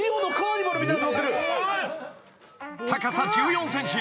［高さ１４ｃｍ。